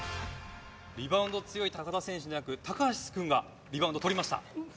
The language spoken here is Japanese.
リバウンド強い田選手ではなく高橋くんがリバウンドを取りました。